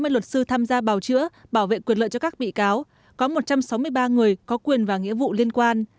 sáu mươi luật sư tham gia bào chữa bảo vệ quyền lợi cho các bị cáo có một trăm sáu mươi ba người có quyền và nghĩa vụ liên quan